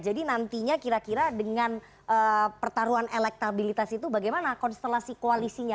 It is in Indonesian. jadi nantinya kira kira dengan pertarungan elektabilitas itu bagaimana konstelasi koalisinya